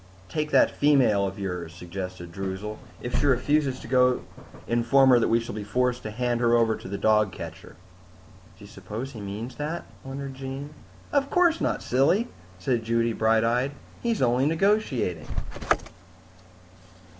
"Take that female of yours," suggested Droozle. "If she refuses to go, inform her that we shall be forced to hand her over to the dog catcher." "Do you suppose he means that?" wondered Jean. "Of course not, silly," said Judy, bright eyed. "He's only negotiating."